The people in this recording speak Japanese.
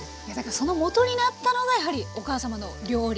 そのもとになったのがやはりお母様の料理。